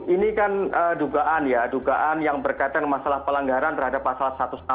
ini kan dugaan ya dugaan yang berkaitan masalah pelanggaran terhadap pasal satu ratus enam puluh